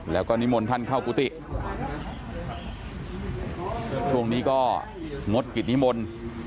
แล้วก็นิมนต์ท่านเข้ากุฏิช่วงนี้ก็งดกิจนิมนต์